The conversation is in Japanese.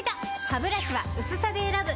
ハブラシは薄さで選ぶ！